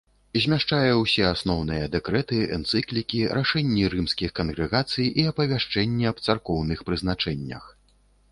Змяшчае ўсе асноўныя дэкрэты, энцыклікі, рашэнні рымскіх кангрэгацый і апавяшчэнні аб царкоўных прызначэннях.